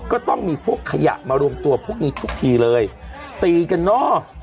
ก็ต้องมีพวกขยะมารวมตัวพวกนี้ทุกทีเลยตีกันเนอะ